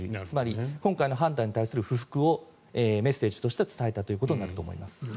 つまり今回の判断に対する不服をメッセージとしては伝えたということになると思います。